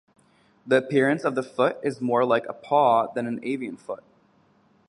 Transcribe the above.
The appearance of the foot is more like a paw than an avian foot.